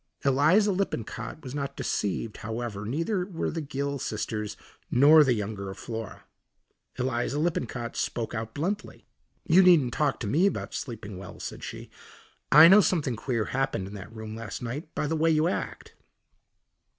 Eliza Lippincott was not deceived, however, neither were the Gill sisters, nor the young girl, Flora. Eliza Lippincott spoke out bluntly. "You needn't talk to me about sleeping well," said she. "I know something queer happened in that room last night by the way you act."